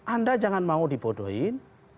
anda jangan mau dibodohin